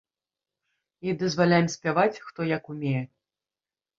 І дазваляем спяваць, хто як умее.